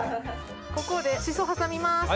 ここでシソ挟みます。